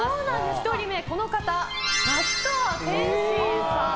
１人目、那須川天心さん。